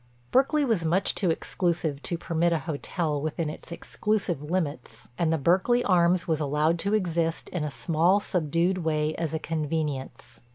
Berkeley was much too exclusive to permit a hotel within its exclusive limits and the Berkeley Arms was allowed to exist in a small, subdued way as a convenience.